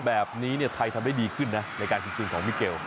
แบบนี้เนี่ยไทยทำได้ดีขึ้นนะในการคิดถึงของมิเกล